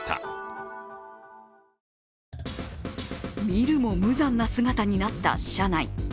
見るも無残な姿になった車内。